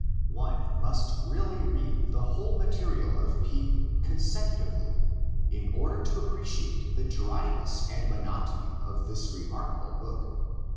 One must really read the whole material of P consecutively in order to appreciate the dryness and monotony of this remarkable book.